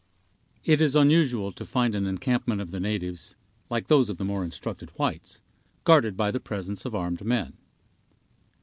It is unusual to find an encampment of the natives, like those of the more instructed whites, guarded by the presence of armed men.